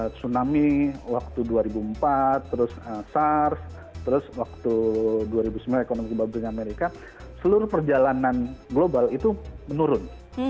tsunami waktu dua ribu empat terus sars terus waktu dua ribu sembilan ekonomi global di amerika seluruh perjalanan global itu menurun